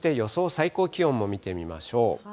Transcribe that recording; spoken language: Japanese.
最高気温も見てみましょう。